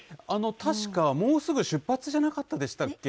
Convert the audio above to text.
たしか、もうすぐ出発じゃなかったでしたっけ？